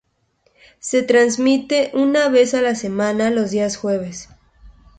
Se transmite una vez a la semana los días jueves.